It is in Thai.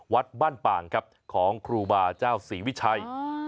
วัดบ้านป่างครับของครูบาเจ้าศรีวิชัย